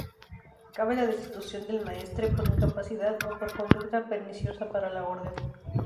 Cabe la destitución del maestre por incapacidad o por conducta perniciosa para la orden.